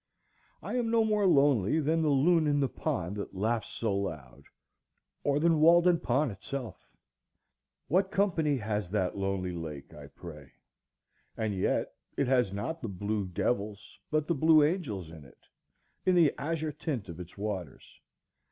I am no more lonely than the loon in the pond that laughs so loud, or than Walden Pond itself. What company has that lonely lake, I pray? And yet it has not the blue devils, but the blue angels in it, in the azure tint of its waters.